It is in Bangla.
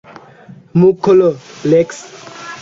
মুখ খোলো, লেক্স।